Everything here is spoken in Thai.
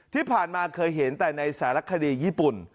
ที่ผ่านมาเคยเห็นแต่ในสารคดีญี่ปุ่น